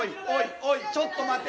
おいちょっと待て。